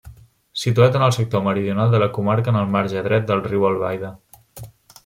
Situat en el sector meridional de la comarca en el marge dret del riu Albaida.